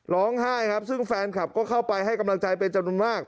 ร้องไห้ครับซึ่งแฟนคลับก็เข้าไปให้กำลังใจเป็นจำนวนมาก